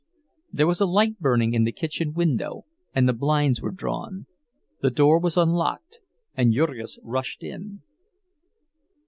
There was a light burning in the kitchen window and the blinds were drawn. The door was unlocked and Jurgis rushed in.